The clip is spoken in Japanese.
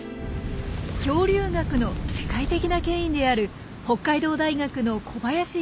恐竜学の世界的な権威である北海道大学の小林快次博士。